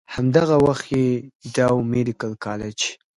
هم دغه وخت ئې ډاؤ ميډيکل کالج